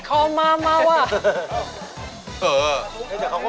โอเคเคลื่อนช้างค่ะ